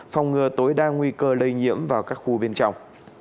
phòng ngừa tối đa nguy cơ lây nhiễm vào các khu bên trong